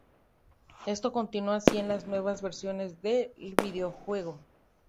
Esto continuo así en las nuevas versiones del videojuego.